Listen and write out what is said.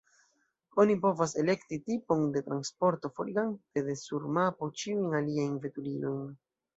Oni povas elekti tipon de transporto, forigante de sur mapo ĉiujn aliajn veturilojn.